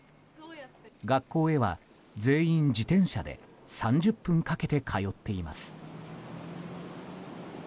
学校へは全員自転車で３０分かけて通っています。